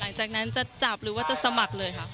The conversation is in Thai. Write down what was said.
หลังจากนั้นจะจับหรือว่าจะสมัครเลยค่ะ